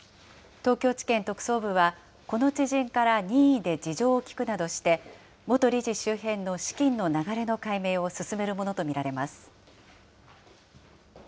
東京地検特捜部は、この知人から任意で事情を聴くなどして、元理事周辺の資金の流れの解明を進めるものと見られます。